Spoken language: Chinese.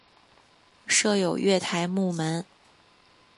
设有月台幕门。